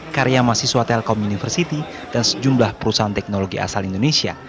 karya mahasiswa telkom university dan sejumlah perusahaan teknologi asal indonesia